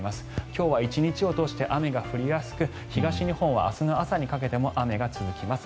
今日は１日を通して雨が降りやすく東日本は明日の朝にかけても雨が続きます。